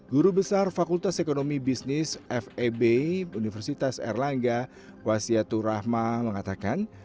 guru besar fakultas ekonomi bisnis feb universitas erlangga wasiatul rahma mengatakan